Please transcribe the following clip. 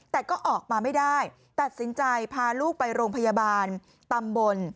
แต่ก็ออกมาไม่ได้ตัดสินใจพาลูกไปโรงพยาบาลตำบล